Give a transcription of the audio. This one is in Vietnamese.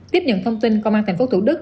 tiếp nhận thông tin công an tp thủ đức